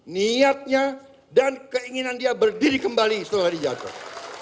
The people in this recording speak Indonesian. niatnya dan keinginan dia berdiri kembali setelah dia jatuh